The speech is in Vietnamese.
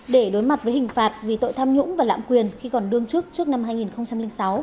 để đối mặt với hình phạt vì tội tham nhũng và lạm quyền khi còn đương trước trước năm hai nghìn sáu